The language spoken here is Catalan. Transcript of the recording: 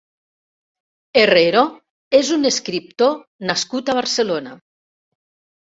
Herrero és un escriptor nascut a Barcelona.